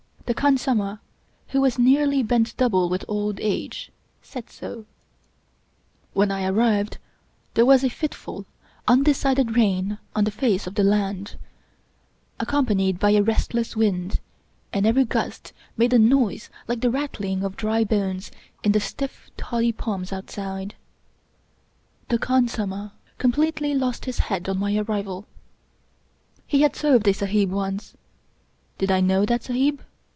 The khansamah, who was nearly bent double with old age, said so. II English Mystery Stories Wheii I arrived, there was a fitful, undecided rain on the face of the land, accompanied by a restless wind, and every gust made a noise like the rattling of dry bones in the stiff toddy palms outside. The khansamah completely lost his head on my arrival. He had served a Sahib once. Did I know that Sahib